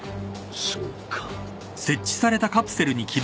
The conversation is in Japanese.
そうか。